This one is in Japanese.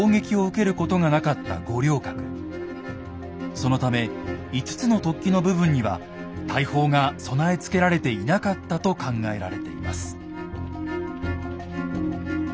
そのため５つの突起の部分には大砲が備え付けられていなかったと考えられています。